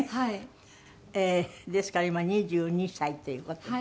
ですから今２２歳という事ですね。